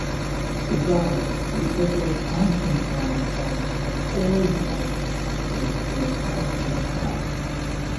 Pizarro, who suffers constant pain from an old wound, has a crisis of faith.